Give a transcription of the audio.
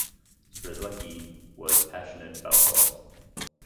Strzelecki was passionate about golf.